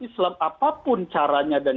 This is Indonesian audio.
islam apapun caranya dan